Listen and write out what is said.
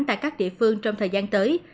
tại các địa phương trong thời gian tới